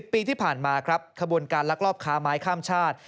ปีที่ผ่านมาครับขบวนการลักลอบค้าไม้ข้ามชาติ